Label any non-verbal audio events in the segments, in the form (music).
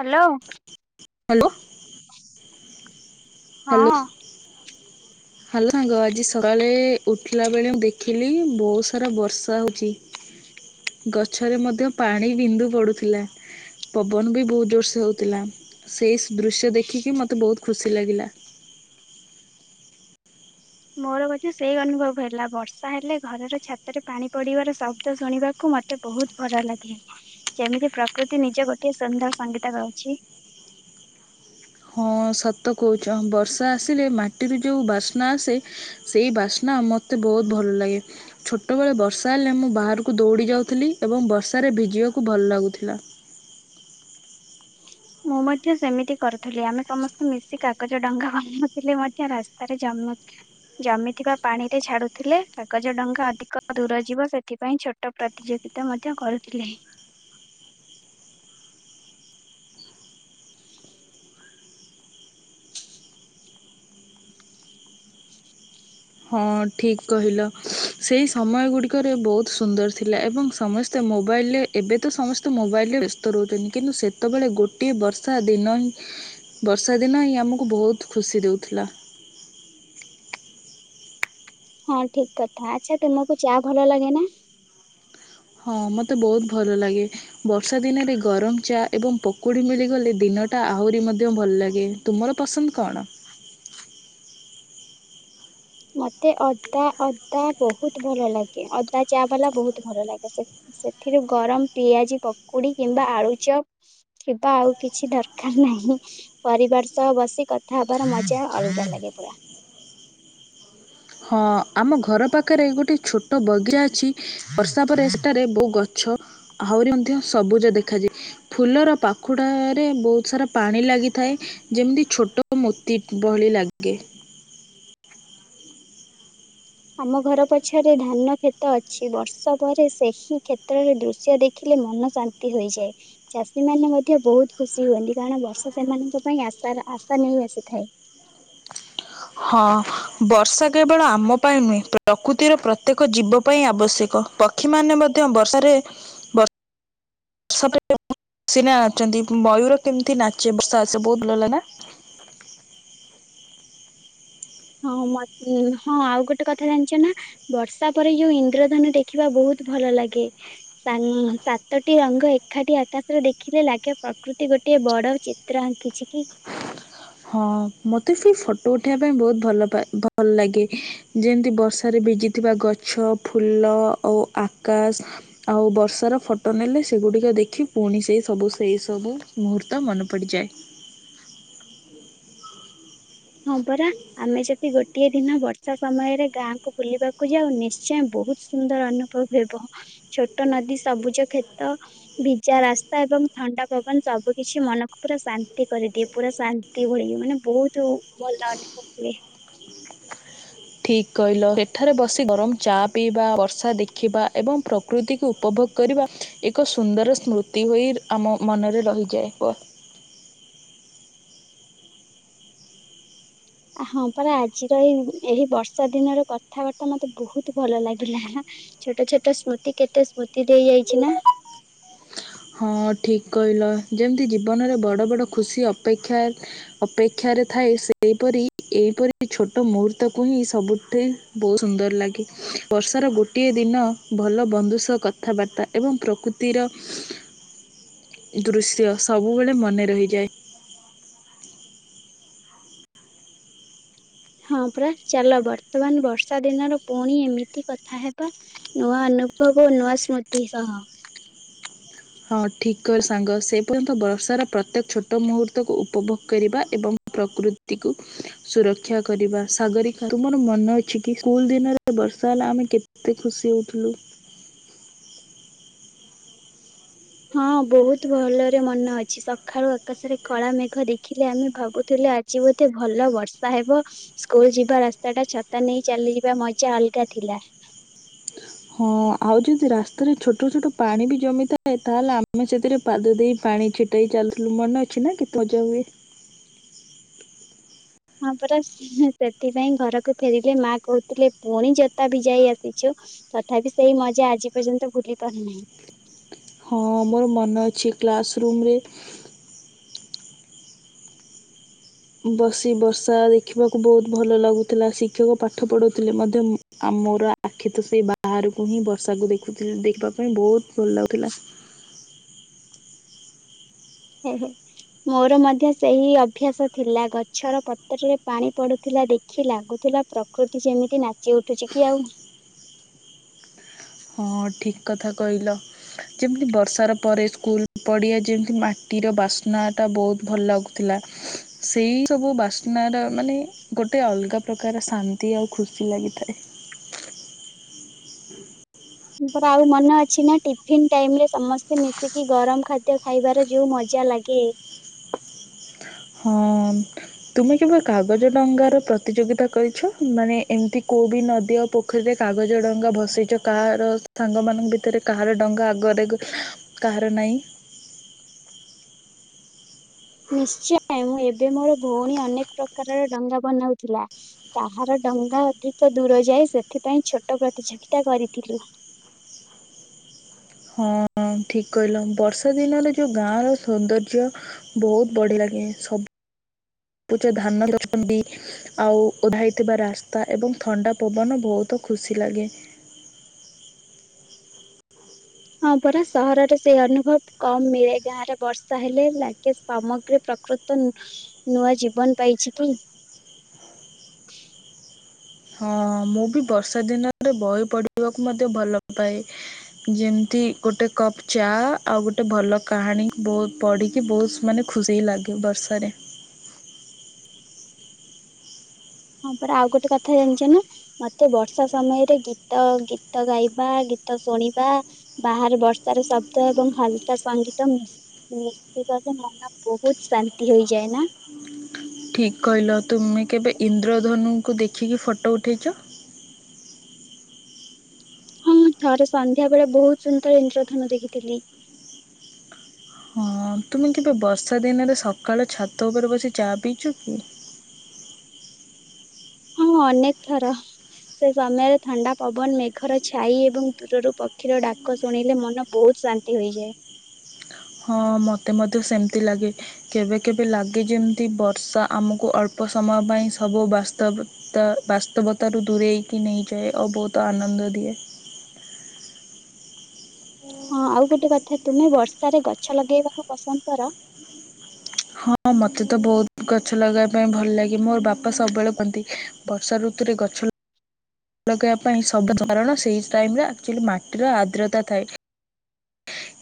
Hello hello hello ହଁ hello ସାଙ୍ଗ ଆଜି ସକାଳେ ଉଠିଲା ବେଳେ ମୁ ଦେଖିଲି ବହୁତ ସାରା ବର୍ଷା ହଉଛି। ଗଛରେ ମଧ୍ୟ ପାଣି ବିନ୍ଦୁ ପଡୁଥିଲା। ପବନ ବି ବହୁତ ଜୋର୍ ସେ ହେଉଥିଲା ସେଇସି ଦୃଶ୍ୟ ଦେଖିକି ମୋତେ ବହୁତ ଖୁସି ଲାଗିଲା। ମୋର ମଧ୍ଯ ସେଇ ଅନୁଭବ ହେଲା ବର୍ଷା ହେଲେ ଘରର ଛାତରେ ପାଣି ପଡ଼ିବାର ଶବ୍ଦ ଶୁଣି ବାକୁ ମତେ ବହୁତ ଭଲ ଲାଗେ ଯେମିତି ପ୍ରକୃତି ନିଜ ଗୋଟେ ସୁନ୍ଦର ସଙ୍ଗୀତ ଗାଉଛି। ହଁ ସତ କହୁଛ ବର୍ଷା ଆସିଲେ ମାଟିରୁ ଯେଉଁ ବାସ୍ନା ଆସେ। ସେଇ ବାସ୍ନା ମତେ ବହୁତ ଭଲ ଲାଗେ। ଛୋଟବେଳେ ବର୍ଷା ହେଲେ ମୁଁ ବାହାରକୁ ଦୌଡ଼ି ଯାଉଥିଲି ଏବଂ ବର୍ଷାରେ ଭିଜିବାକୁ ଭଲ ଲାଗୁଥିଲା। (inaudible) ମୁଁ ମଧ୍ୟ ସେମିତି କରୁଥିଲି ଆମେ ସମସ୍ତେ ମିଶି କାଗଜ ଡଙ୍ଗା ବନାଉଥିଲେ ମଧ୍ୟ ରାସ୍ତାରେ ଜମୁଥିଲା। ଜମିଥିବା ପାଣି ରେ ଛାଡୁଥିଲେ କାଗଜ ଡଙ୍ଗା ଅଧିକ ଦୂର ଯିବ ସେଥିପାଇଁ ଛୋଟ ପ୍ରତିଯୋଗି ପ୍ରତିଯୋଗିତା ମଧ୍ୟ କରୁଥିଲେ। ହଁ ଠିକ୍ କହିଲ ସେହି ସମୟ ଗୁଡ଼ିକରେ ବହୁତ ସୁନ୍ଦର ଥିଲା, ଏବଂ ସମସ୍ତେ ସେ ମୋବାଇଲରେ ଏବେ ତ ସମସ୍ତେ ମୋବାଇଲରେ ବ୍ୟସ୍ତ ରହୁଛନ୍ତି, କିନ୍ତୁ ସେତେବେଳେ ଗୋଟିଏ ବର୍ଷା ଦିନ ହିଁ ବର୍ଷା ଦିନ ହିଁ ଆମକୁ ବହୁତ ଖୁସି ଦେଉଥିଲା। ହଁ ଠିକ କଥା, ଆଚ୍ଛା ତୁମକୁ ଚା ଭଲ ଲାଗେ ନା? ହଁ ମତେ ବହୁତ ଭଲ ଲାଗେ। ବର୍ଷା ଦିନରେ ଗରମ ଚା ଏବଂ ପକୁଡ଼ି ମିଳିଗଲେ ଦିନଟା ଆହୁରି ମଧ୍ୟ ଭଲ ଲାଗେ। ତୁମର ପସନ୍ଦ କଣ? ମତେ ଅଦା ଅଦା ବହୁତ ଭଲ ଲାଗେ ଅଦା ଚା ବାଲା ବହୁତ ଭଲ ଲାଗେ, ସେ ସେଥିରୁ ଗରମ ପିଆଜି, ପକୁଡ଼ି କିମ୍ବା ଆଳୁଚ ଥିବ ଆଉ କିଛି ଦରକାର ନାହିଁ। ପରିବାର ସହ ବସି କଥା ହବାର ମଜା ଅଲଗା ଲାଗେ ପୁରା। ହଁ ଆମ ଘର ପାଖରେ ଗୋଟେ ଛୋଟ ବଗିରା ଅଛି ବର୍ଷା ପରେ ସେଠାରେ ବହୁ ଗଛ ଆହୁରି ମଧ୍ୟ ସବୁଜ ଦେଖାଯାଏ। ଫୁଲର ପାଖୁଡା ରେ ବହୁତ ସାରା ପାଣି ଲାଗିଥାଏ। ଯେମିତି ଛୋଟ ମୋତି ଭଳି ଲାଗେ। ଆମ ଘର ପଛରେ ଧାନ କ୍ଷେତ ଅଛି ବର୍ଷ ପରେ ସେହି କ୍ଷେତ୍ରରେ ଦୃଶ୍ୟ ଦେଖି ଦେଖିଲେ ମନ ଶାନ୍ତି ହୁଏ। ଚାଷୀ ମାନେ ମଧ୍ୟ ବହୁତ ଖୁସି ହୁଅନ୍ତି କାରଣ ବର୍ଷା ସେମାନଙ୍କ ପାଇଁ ଆଶାର ଆଶା ନେଇ ଆସିଥାଏ। ହଁ ବର୍ଷା କେବଳ ଆମ ପାଇଁ ନୁହେଁ ପ୍ରକୃତିର ପ୍ରତ୍ୟେକ ଜୀବ ପାଇଁ ଆବଶ୍ୟକ ପକ୍ଷୀମାନେ ମଧ୍ୟ ବର୍ଷାରେ ବର୍ଷା ପରେ (inaudible) ସିନା ଅଛନ୍ତି ମୟୂର କେମିତି ନାଚେ ବର୍ଷା ଆସେ ବହୁତ ଭଲ (unintelligible) ନା ହଁ ମତ୍ ଆଉ ଗୋଟେ କଥା ଜାଣିଛ ନା? ବର୍ଷା ପରେ ଯୋଉ ଇନ୍ଦ୍ରଧନୁ ଦେଖିବା ବହୁତ ଭଲ ଲାଗେ। ସା ସାତଟି ରଙ୍ଗ ଏକାଠି ଆକାଶରେ ଦେଖିଲେ ଲାଗେ ପ୍ରକୃତି ଗୋଟେ ବଡ ଚିତ୍ର ଆ କିଛି କି ହଁ ମତେ ସେ ଫଟୋ ଉଠେଇବା ପାଇଁ ବହୁତ ଭଲପାଏ ଭଲ ଲାଗେ? ଯେମିତି ବର୍ଷାରେ ବିଜିଥିବା ଗଛ ଫୁଲ ଓ ଆକାଶ ଆଉ ବର୍ଷର ଫଟୋ ନେଲେ ସେଗୁଡ଼ିକ ଦେଖି ପୁଣି ସେଇ ସବୁ ସେଇ ସବୁ ମୁହୂର୍ତ୍ତ ମନେ ପଡ଼ିଯାଏ। (inaudible) ହଁ ପରା ଆମେ ଯଦି ଗୋଟେ ଗୋଟିଏ ଦିନ ବର୍ଷା ସମୟରେ ଗାଁକୁ ବୁଲିବାକୁ ଯାଉ ନିଶ୍ଚୟ ବହୁତ ସୁନ୍ଦର ଅନୁଭବ ହେବ। ଛୋଟ ନଦୀ ସବୁଜ କ୍ଷେତ ଭିଜା ରାସ୍ତା ଏବଂ ଥଣ୍ଡା ପବନ ସବୁ କିଛି ମନକୁ ପୁରା ଶାନ୍ତି କରିଦିଏ ପୁରା ଶା (unintelligible) ଭଳି ମାନେ ବହୁତ ଭଲ ହୁଏ ଠିକ୍ କହିଲ ସେଠାରେ ବସି ଗରମ ଚା ପିଇବା ବର୍ଷା ଦେଖିବା ଏବଂ ପ୍ରକୃ ପ୍ରକୃତିକୁ ଉପଭୋଗ କରିବା ଏକ ସୁନ୍ଦର ସ୍ମୃତି ହୋଇ ଆମ ମନରେ ରହିଯାଏ। ବ ହଁ ପରା ଆଜିର ଏଇ ଏହିଁ ବର୍ଷା ଦିନର କଥାବାର୍ତ୍ତା ମତେ ବହୁତ ଭଲ ଲାଗିଲା। ଛୋଟ ଛୋଟ ସ୍ମୃତି କେତେ ସ୍ମୃତି ଦେଇ ଯାଇଛି ନା ହଁ ଠିକ୍ କହିଲ ଯେମିତି ଜୀବନରେ ବଡ଼ ବଡ଼ ଖୁସି ଅପେକ୍ଷା ଅପେକ୍ଷାରେ ଥାଏ ସେହିପରି ଏହିଇପରି ଛୋଟ ମୁହୂର୍ତ୍ତକୁ ହିଁ ସବୁଠି। ବହୁତ ସୁନ୍ଦର ଲାଗେ ବର୍ଷାର ଗୋଟିଏ ଦିନ ଭଲ ବନ୍ଧୁ ସହ କଥାବାର୍ତ୍ତା ଏବଂ ପ୍ରକୃତିର ଦୃଶ୍ୟ ସବୁବେଳେ ମନେ ରହିଯାଏ। ହଁ ପରା ଚାଲ ବର୍ତ୍ତମାନ ବର୍ଷା ଦିନର ପୁଣି ଏମିତି କଥା ହେବା। ନୂଆ ଅନୁଭବ ନୂଆ ସ୍ମୃତି ସହ ହଁ ଠିକ୍ କ ସାଙ୍ଗ ସେ ପର୍ଯ୍ୟନ୍ତ ବର୍ଷାର ପ୍ରତ୍ୟେକ ଛୋଟ ମୁହୂର୍ତ୍ତକୁ ଉପଭୋଗ କରିବା ଏବଂ ପ୍ରକୃତିକୁ ସୁରକ୍ଷା କରିବା ସାଗରିକା ତୁମର ମନ ଅଛି କି ସ୍କୁଲ ଦିନରେ ବର୍ଷା ହେଲା ଆମେ କେ କେତେ ଖୁସି ହଉଥିଲୁ। ହଁ ବହୁତୁ ଭଲରେ ମନ ଅଛି ସକାଳୁ ଆକାଶରେ କଳା ମେଘ ଦେଖିଲେ ଆମେ ଭାବୁ ଥିଲେ ଆଜି ବୋଧେ ଭଲ ବର୍ଷା ହେବ। ସ୍କୁଲ ଯିବା ରାସ୍ତା ଟା ଛତା ନେଇ ଚାଲିଯିବା ମଜା ଅଲଗା ଥିଲା। ହଁ ଆଉ ଯଦି ରାସ୍ତାରେ ଛୋଟ ଛୋଟ ପାଣି ବି ଜମିଥାଏ ତାହେଲେ ଆମେ ସେଥିରେ ପାଦ ଦେଇ ପାଣି ଛିଟେଇ ଚାଲିଥିଲୁ ମନେ ଅଛି ନା କେତେ ମଜା ହୁଏ। ହଁ ପରାସ୍ ସେଥିପାଇଁ ଘରକୁ ଫେରିଲେ ମା କହୁଥିଲେ ପୁଣି ଜୋତା ଭିଯାଇ ଆସିଛୁ। ତଥାବି ସେଇ ମଜା ଆଜି ପର୍ଯ୍ୟନ୍ତ ଭୁଲି ପାରୁନାହିଁ। ହଁ ମୋର ମନେ ଅଛି କ୍ଲାସ୍ ରୁମ ରେ ବସି ବର୍ଷା ଦେଖିବାକୁ ବହୁତ ଭଲ ଲାଗୁଥିଲା ଶିକ୍ଷକ ପାଠ ପଢ଼ୁଥିଲେ ମଧ୍ୟ ଆମ ମୋର ଆଖି ତ ସେଇ ବାହାରକୁ ହିଁ ବର୍ଷାକୁ ଦେଖୁିଥି ଦେଖିବା ପାଇଁ ବହୁତ ଭଲ ଲାଗୁଥିଲା। ହେହେ ମୋର ମଧ୍ୟ ସେହି ଅଭ୍ୟାସ ଥିଲା। ଗଛର ପତ୍ରରେ ପାଣି ପଡୁଥିଲା ଦେଖି ଲାଗୁଥିଲା ପ୍ରକୃତି ସେମିତି ନାଚି ଉଠୁଛି କି ଆଉ। ହଁ ଠିକ୍ କଥା କହିଲ। ଯେମିତି ବର୍ଷାର ପରେ, ସ୍କୁଲ ପଡ଼ିଆ ଯେମିତି ମାଟିର ବାସ୍ନା ଟା ବହୁତ ଭଲ ଲାଗୁ ଥିଲା, ସେଇ ସବୁ ବାସ୍ନାର ମାନେ ଗୋଟେ ଅଲଗା ପ୍ରକାର ଶାନ୍ତି ଆଉ ଖୁସି ଲାଗିଥାଏ। ତୋର ଆଉ ମନେ ଅଛି ନା, ଟିଫିନ ଟାଇମ ରେ ସମସ୍ତେ ମିଶିକି ଗରମ ଖାଦ୍ୟ ଖାଇବାର ଯୋଉ ମ ଜା ଲାଗେ। ହଁ। ତୁମେ କେବ କାଗଜ ଡଙ୍ଗାର ପ୍ରତିଯୋଗିତା କରିଛ। ମାନେ ଏମିତି କୋଉ ବି ନଦୀ ଅ ପୋଖରୀରେ କାଗଜ ଡଙ୍ଗା ଭସେଇଛ। କାହାର ସାଙ୍ଗମାନଙ୍କ ଭିତରେ କାହାର ଡଙ୍ଗା ଆଗରେ କାହାର ନାହିଁ। ନିଶ୍ଚୟ, ଏବେ ମୋର ଭଉଣୀ ଅନେକ ପ୍ରକାରର ଡଙ୍ଗା ବନାଉଥିଲା। କାହାର ଡଙ୍ଗା ଅଧିକ ଦୂର ଯାଏ, ସେଥିପାଇଁ ଛୋଟ ପ୍ରତିଯୋଗିତା କରିଥିଲୁ। ହଁ ଠିକ କହିଲ ବର୍ଷା ଦିନରେ ଯୋଉ ଗାଁ ର ସୌନ୍ଦର୍ଯ୍ୟ। ବହୁତ ବଢି ଲାଗେ। ସବୁଜ ଧାନ ଦଉଛନ୍ତି। ଆଉ ଓଦାହେଇଥିବା ରାସ୍ତା ଏବଂ ଥଣ୍ଡା ପବନ ବହୁତ ଖୁସି ଲାଗେ। ହଁ ପରା ସହରରେ ସେଇ ଅନୁଭବ କମ ମିଳେ। ଗାଁ ରେ ବର୍ଷା ହେଲେ ଲାଗେ ସାମଗ୍ରୀ ପ୍ରକୃ ତ ନୂଆ ଜୀବନ ପାଇଛି କି? ହଁ ମୁଁ ବି ବର୍ଷା ଦିନରେ ବହି ପଢ଼ିବାକୁ ମଧ୍ୟ ଭଲ ପାଏ। ଯେମିତି ଗୋଟେ କପ୍ ଚା, ଆଉ ଗୋଟେ ଭଲ କାହାଣୀ ବହୁତ ପଢ଼ିକି ବହୁତ ମାନେ ଖୁସି ଲାଗେ ବର୍ଷାରେ। ହଁ ପରା ଆଉ ଗୋଟେ କଥା ଜାଣିଛ ନା। ମତେ ବର୍ଷା ସମୟରେ ଗୀତ ଗୀତ ଗାଇବା ଗୀତ ଶୁଣିବା ବାହାରେ ବର୍ଷାର ଶବ୍ଦ ଏବଂ ହାଲକା ସଙ୍ଗୀତ ମିଶ ମୃତ୍ତିକା କା ର ମନ ବହୁତ ଶାନ୍ତି ହୋଇଯାଏ ନା? ଠିକ୍ କହିଲ, ତୁମେ କେବେ ଇନ୍ଦ୍ରଧନୁଙ୍କୁ ଦେଖିକି ଫଟୋ ଉଠେଇଚ? ହଁଁ ଥରେ ସନ୍ଧ୍ୟା ବେଳେ ବହୁତ ସୁନ୍ଦର ଇନ୍ଦ୍ରଧନୁ ଦେଖିଥିଲି। ହଁ ତୁମେ କେବେ ବର୍ଷା ଦିନରେ ସକାଳ ଛାତ ଉପରେ ବସି ଚା ପିଇଚ କି? ହଁ ଅନେକ ଥର। ସେ ସମୟରେ ଥଣ୍ଡା ପବନ ମେଘର ଛାଇ ଏବଂ ଦୂରରୁ ପକ୍ଷୀର ଡାକ ଶୁଣିଲେ ମନ ବହୁତ ଶା ତି ହେଇଯାଏ। ହଁ ମତେ ମଧ୍ୟ ସେମତି ଲାଗେ। କେବେ କେବେ ଲାଗେ ଯେମିତି, ବର୍ଷା ଆମକୁ ଅଳ୍ପ ସମୟ ପାଇଁ ସବୁ ବାସ୍ତବ ତ ବାସ୍ତବତାରୁ ଦୂରେଇକି ନେଇଯାଏ ଆଉ ବହୁତ ଆନନ୍ଦ ଦିଏ। ହଁ ଆଉ ଗୋଟେ କଥା ତୁମେ ବର୍ଷାରେ ଗଛ ଲଗେଇବାକୁ ପସନ୍ଦ କର। ହଁ ମତେ ତ ବହୁତ ଗଛ ଲଗେଇବା ପାଇଁ ଭଲ ଲାଗେ ମୋର ବାପା ସବୁବେଳେ କୁହନ୍ତି। ବର୍ଷା ଋୁତୁରେ ଗଛ ଲଗେଇବା ପାଇଁ, ସବୁ ଝରଣ ସେଇ ଟାଇମ ରେ ଆକ୍ଚୁଆଲି ମାଟିର ଆଦ୍ରତା ଥାଏ।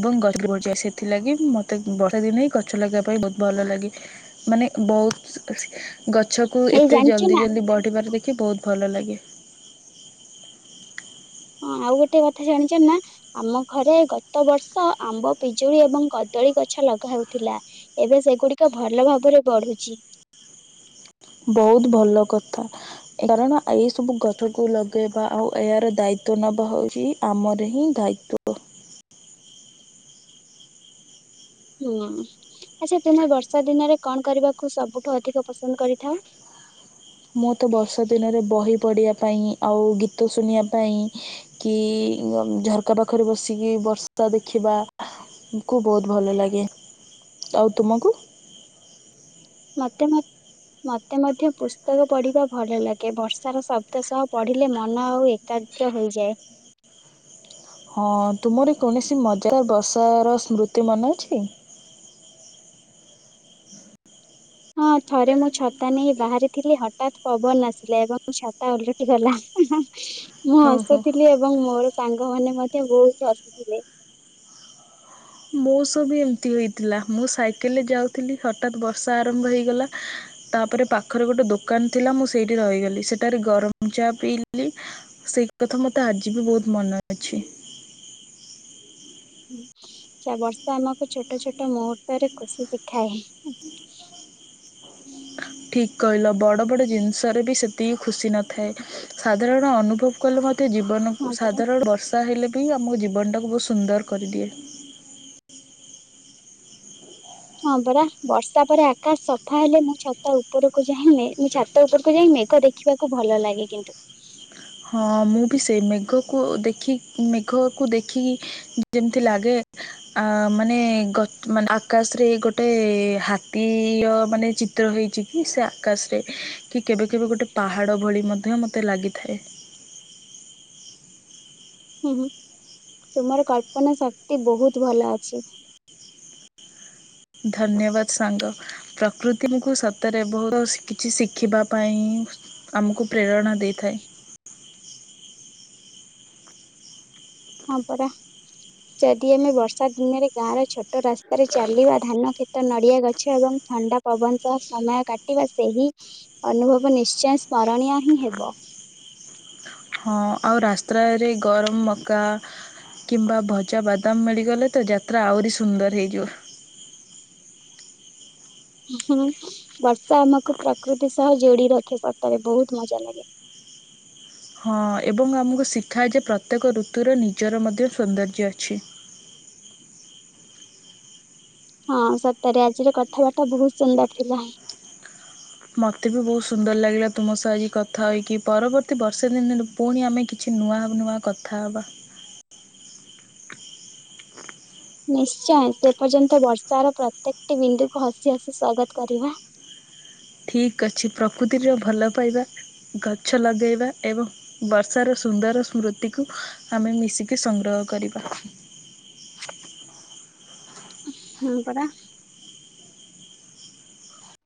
ଏବଂ ଗଛ ବ ଯାଏ। ସେଥିଲାଗି ମୋତେ ବର୍ଷା ଦିନ ହିଁ ଗଛ ଲଗାଇବା ପାଇଁ ବହୁତ ଭଲ ଲାଗେ। ମାନେ ବହୁତ, ଗଛକୁ ଏଇ ଏତେ ଜାଣିଛ ଜଲ୍ଦି ନା ଜଲ୍ଦି ବଢ଼ିବାରେ ଦେଖି ବହୁତ ଭଲ ଲାଗେ। ହଁ ଆଉ ଗୋଟେ କଥା ଜାଣିଛ ନା। ଆମ ଘରେ ଗତ ବର୍ଷ ଆମ୍ବ ପିଜୁଳି ଏବଂ କଦଳୀ ଗଛ ଲଗା ହେଉଥିଲା। ଏବେ ସେଗୁଡିକ ଭଲ ଭାବରେ ବଢୁଛି। ବହୁତ ଭଲ କଥା। କାରଣ ଏଇ ସବୁ ଗଛକୁ ଲଗେଇବା ଆଉ ଏହାର ଦାୟିତ୍ଵ ନବା ହୋଉଚି ଆମର ହିଁ ଦାୟିତ୍ୱ। ହୁଁ ଆଚ୍ଛା ତୁମେ ବର୍ଷା ଦିନରେ କଣ କରିବାକୁ ସବୁଠୁ ଅଧିକ ପସନ୍ଦ କରିଥାଅ। ମୁଁ ତ ବର୍ଷା ଦିନରେ ବହି ପଢ଼ିବା ପାଇଁ ଆଉ ଗୀତ ଶୁଣିବା ପାଇଁ କି ଝରକା ପାଖରେ ବସିକି ବର୍ଷା ଦେଖିବା। କୁୁ ବହୁତ ଭଲ ଲାଗେ ଆଉ ତୁମକୁ ମତେ ମୋତେ ମଧ୍ୟ ପୁସ୍ତକ ପଢିବା ଭଲ ଲାଗେ ବର୍ଷାର ଶବ୍ଦ ସହ ପଢିଲେ ମନ ଆଉ ଏକ ତାଯ୍ୟ ହୋଇଯାଏ। ହଁ ତୁମର କୌଣସି ମଜାଦାର ବର୍ଷାର ସ୍ମୃତି ମନେଅଛି? ହଁ ଥରେ ମୁଁ ଛତା ନେଇ ବାହାରିଥିଲି ହଠାତ ପବନ ଆସିଲେ ଏବଂ ଛତା ଓଲଟିଗଲା। ମୁଁ ଓହୋ ହସୁଥିଲି ଏବଂ ମୋର ସାଙ୍ଗ ମାନ ମଧ୍ୟ ବହୁତ ହସିଥିଲେ। ମୋ ସହ ବି ଏମିତି ହୋଇଥିଲା ମୁଁ ସାଇକେଲରେ ଯାଉଥିଲି ହଠାତ ବର୍ଷା ଆରମ୍ଭ ହୋଇଗଲା। ତାପରେ ପାଖରେ ଗୋଟେ ଦୋକାନ ଥିଲା ମୁଁ ସେଇଠି ରହିଗଲି ସେଠାରେ ଗରମ ଚା ପିଇଲି। ସେଇକଥା ମତେ ଆଜି ବି ବୋହୁତ ମନେ ଅଛି। ବର୍ଷା ଆମକୁ ଛୋଟ ଛୋଟ ମୁହୂର୍ତ୍ତରେ ଖୁସି ଶିଖାଏ। ଠିକ କହିଲ ବଡ ବଡ ଜିନିଷରେ ବି ସେତିକି ଖୁସି ନଥାଏ। ସାଧାରଣ ଅନୁଭବ କଲେ ମ ମୋତେ ଜୀବନକୁ ହଁ ପରା ସାଧାରଣ ବର୍ଷା ହେଲେ ବି ଆମ ଜୀବନଟାକୁ ବହୁତ ସୁନ୍ଦର କରିଦିଏ। ହଁ ପରା ବର୍ଷା ପରେ ଆକାଶ ସଫା ହେଲେ ମୁଁ ଛାତ ଉପରକୁ ଯାଇ ମୁଁ ଛାତ ଉପରକୁ ଯାଇ ମେଘ ଦେଖି ଦେଖିବାକୁ ଭଲ ଲାଗେ କିନ୍ତୁ। ହଁ ମୁଁ ବି ସେଇ ମେଘକୁ ଦେଖି ମେଘକୁ ଦେଖିକି ଯେମିତି ଲାଗେ ଆ ମାନେ ମାନେ ଆକାଶରେ ଗୋଟେ ହାତୀ ମାନେ ଚିତ ଚିତ୍ର ହେଇଛି କି ସେ ଆକାଶରେ କି କେବେ କେବେ ଗୋଟେ ପାହାଡ ଭଳି ମଧ୍ୟ ମୋତେ ଲାଗିଥାଏ। ହୁଁ ହୁଁ ତୁମର କଳ୍ପନା ଶକ୍ତି ବହୁତ ଭଲ ଅଛି। ଧନ୍ୟବାଦ ସାଙ୍ଗ। ପ୍ରକୃତିକୁ ସତରେ ବହୁତ କିଛି ଶିଖିବା ପାଇଁ ଆମକୁ ପ୍ରେରଣା ଦେଇଥାଏ। ହଁ ପରା। ଯଦି ଆମେ ବର୍ଷା ଦିନରେ ଗାଁର ଛୋଟ ରାସ୍ତାରେ ଚାଲିବା, ଧାନ କ୍ଷେତ, ନଡ଼ିଆ ଗଛ ଏବଂ ଥଣ୍ଡା ପବନ ସହ ସମୟ କାଟିବା ସେହି ଅନୁଭବ ନିଶ୍ଚୟ ସ୍ମରଣୀୟ ହିଁ ହେବ। ହଁ ଆଉ ରାସ୍ତ୍ରା ରେ ରେ ଗରମ ମକା କିମ୍ବା ଭଜା ବାଦାମ ମିଳିଗଲେ ତ, ଯାତ୍ରା ଆହୁରି ସୁନ୍ଦର ହେଇଯିବ। ହୁଁ, ବର୍ଷା ଆମକୁ ପ୍ରକୃତି ସହ ଯୋଡି ରଖେ ସତରେ ବହୁତ ମଜା ଲାଗେ। ହଁ, ଏବଂ ଆମକୁ ଶିଖାଏ ଯେ, ପ୍ରତ୍ୟେକ ଋତୁର ନିଜର ମଧ୍ୟ ସୌନ୍ଦର୍ଯ୍ୟ ଅଛି। ହଁ, ସତରେ ଆଜିର କଥାବାର୍ତ୍ତା ବହୁତ ସୁନ୍ଦର ଥିଲା। ମୋତେ ବି ବହୁତ ସୁନ୍ଦର ଲାଗିଲା ତୁମ ସହ ଆଜି କଥା ହୋଇକି। ପରବର୍ତ୍ତୀ ବର୍ଷା ଦିନରେ ପୁଣି ଆମେ କିଛି ନୂଆ ନୂଆ କଥା ହବା। ନିଶ୍ଚୟ! ସେ ପର୍ଯ୍ୟନ୍ତ ବର୍ଷାର ପ୍ରତ୍ୟେକଟି ବିନ୍ଦୁକୁ ହସି ହସି ସ୍ଵାଗତ କରିବା। ଠିକ୍ ଅଛି ପ୍ରକୃତିରୁ ଭଲ ପାଇବା, ଗଛ ଲଗାଇବା, ଏବଂ ବର୍ଷାର ସୁନ୍ଦର ସ୍ମୃତିକୁ ଆମେ ମିଶିକି ସଂଗ୍ରହ କରିବା। ହୁଁ ପରା। (inaudible)